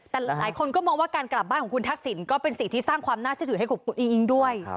แต่หลายคนก็มองว่าการกลับบ้านของคุณทักษิณก็เป็นสิ่งที่สร้างความน่าเชื่อถือให้คุณอิงอิงด้วย